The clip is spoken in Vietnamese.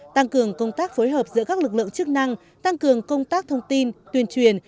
tăng cường công tác phối hợp giữa các lực lượng chức năng tăng cường công tác thông tin tuyên truyền